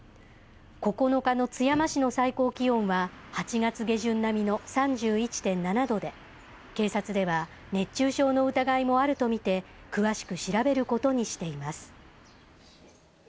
９日の津山市の最高気温は、８月下旬並みの３１．７度で、警察では、熱中症の疑いもあると見て、詳しく調べることにしています。